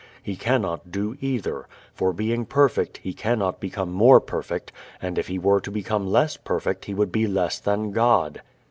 He cannot do either, for being perfect He cannot become more perfect, and if He were to become less perfect He would be less than God.